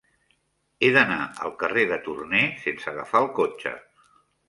He d'anar al carrer de Torné sense agafar el cotxe.